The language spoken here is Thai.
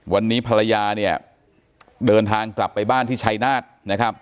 วันนี้ภรรยาเนี่ยเดินทางกลับไปบ้านที่ชัยนาธนะครับ